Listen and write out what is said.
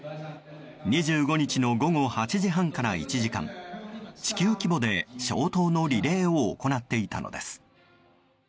２５日の午後８時半から１時間地球規模で消灯のリレーを行っていたのです。